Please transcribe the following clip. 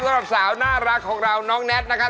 สำหรับสาวน่ารักของเราน้องแน็ตนะครับ